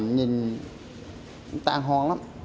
nhìn tan hoang lắm